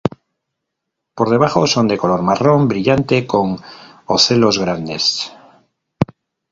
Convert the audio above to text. Por debajo son de color marrón brillante, con ocelos grandes.